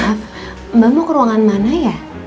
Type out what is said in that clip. maaf mbak mau ke ruangan mana ya